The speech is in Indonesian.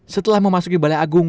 setelah memasuki balai agung